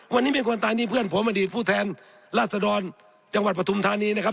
วันนี้มีคนตายนี่เพื่อนผมอดีตผู้แทนราชดรจังหวัดปฐุมธานีนะครับ